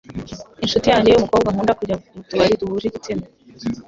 inshuti yanjye yumukobwa nkunda kujya mu tubari duhuje igitsina.